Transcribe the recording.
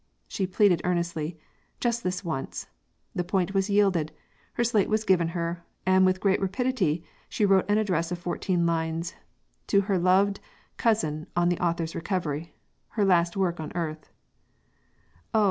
She pleaded earnestly, 'Just this once;' the point was yielded, her slate was given her, and with great rapidity she wrote an address of fourteen lines, 'To her loved cousin on the author's recovery,' her last work on earth: 'Oh!